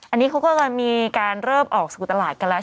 อันนี้เขาก็จะมีการเริ่มออกสกุดตลาดกันแล้ว